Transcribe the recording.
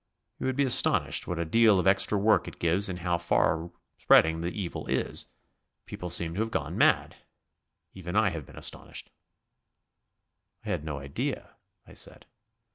You would be astonished what a deal of extra work it gives and how far spreading the evil is. People seem to have gone mad. Even I have been astonished." "I had no idea," I said.